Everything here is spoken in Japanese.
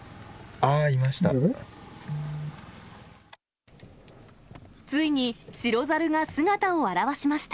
あ、いました。